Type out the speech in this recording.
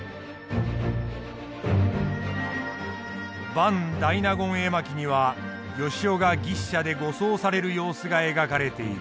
「伴大納言絵巻」には善男が牛車で護送される様子が描かれている。